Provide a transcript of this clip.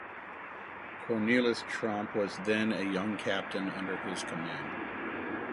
Cornelis Tromp was then a young captain under his command.